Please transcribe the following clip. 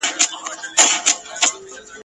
دوو لا نورو ګرېوانونه وه څیرلي !.